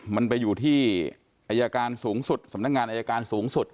มันไปอยู่ที่อายการสูงสุดสำนักงานอายการสูงสุด